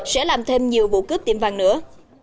sẽ làm thêm nhiều vụ cướp tiệm vàng nữa